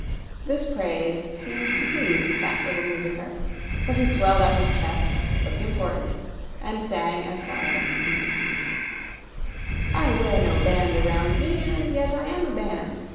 This praise seemed to please the little fat musicker, for he swelled out his chest, looked important and sang as follows: I wear no band around me, And yet I am a band!